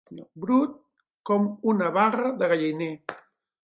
Brut com una barra de galliner.